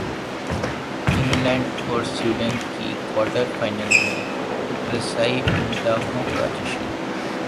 England اور Sweden کی quarter final میں رسائی مداحوں کا جشن